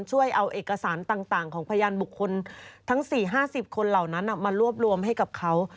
ช่วยเอาเอกสารต่างของพยานบุคคลทั้ง๔๕๐คนเหล่านั้นมารวบรวมให้กับเขา